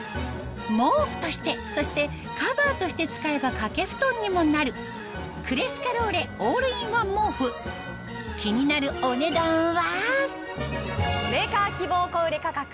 毛布としてそしてカバーとして使えば掛け布団にもなるクレスカローレオールインワン毛布気になるお値段は？